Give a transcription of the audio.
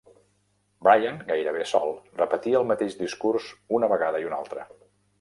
Bryan, gairebé sol, repetia el mateix discurs una vegada i una altra.